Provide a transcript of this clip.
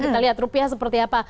kita lihat rupiah seperti apa